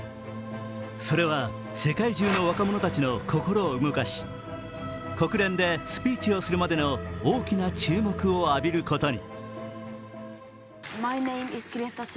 それは世界中の若者たちの心を動かし、国連でスピーチをするまでの大きな注目を浴びることに。